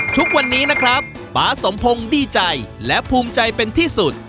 ทุกวันนี้นะครับป๊าสมพงศ์ดีใจและภูมิใจเป็นที่สุด